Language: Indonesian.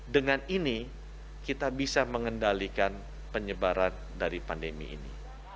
dengan ini kita bisa mengendalikan penyebaran dari pandemi ini